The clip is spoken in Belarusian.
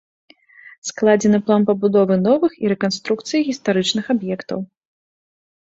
Складзены план пабудовы новых і рэканструкцыі гістарычных аб'ектаў.